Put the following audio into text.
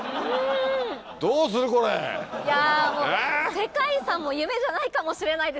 世界遺産も夢じゃないかもしれないですよ。